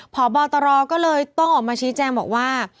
พบตรก็เลยต้องออกมาชี้แจงบอกว่า